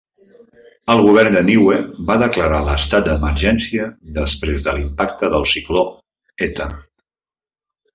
El govern de Niue va declarar l'estat d'emergència després de l'impacte del cicló Heta.